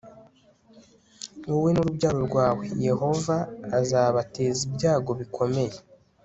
wowe n'urubyaro rwawe yehova azabateza ibyago bikomeye